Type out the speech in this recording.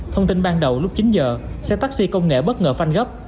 thông tin ban đầu lúc chín giờ xe taxi công nghệ bất ngờ phanh gấp